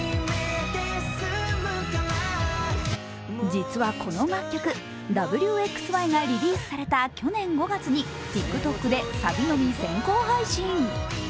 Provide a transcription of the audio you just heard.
実はこの楽曲、「Ｗ／Ｘ／Ｙ」がリリースされた去年５月にＴｉｋＴｏｋでサビのみ先行配信。